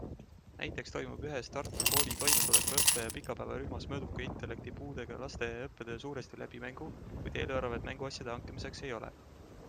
Näiteks toimub ühes Tartu kooli toimetuleku õppe- ja pikapäevarühmas mõõduka intellekti puudega laste õppetöö suuresti läbi mängu, kuid eelarvet mänguasjade hankimiseks ei ole.